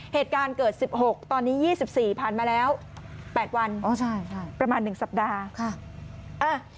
เหตุการณ์เกิด๑๖ตอนนี้๒๔ผ่านมาแล้ว๘วันประมาณ๑สัปดาห์